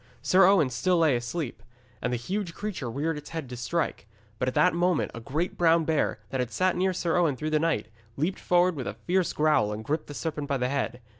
Sir Owen still lay asleep, and the huge creature reared his head to strike. But at that moment a great brown bear, that had sat near Sir Owen through the night, leaped forward with a fierce growl, and gripped the serpent by the head.